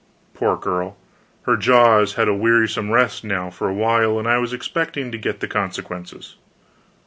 Poor girl, her jaws had had a wearisome rest now for a while, and I was expecting to get the consequences.